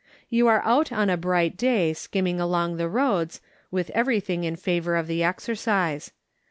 You are out on a bright day skimming along the roads, with every thing in favor of the exercise.